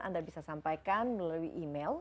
anda bisa sampaikan melalui email